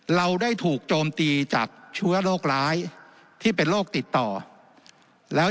เราได้ถูกโจมตีจากเชื้อโรคร้ายที่เป็นโรคติดต่อแล้ว